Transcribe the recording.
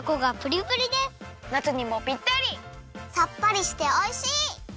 さっぱりしておいしい！